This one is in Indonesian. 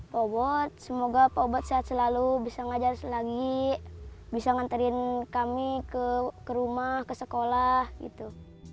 pak obot semoga pak obot sehat selalu bisa ngajar lagi bisa nganterin kami ke rumah ke sekolah gitu